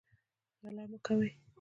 غلا مه کوئ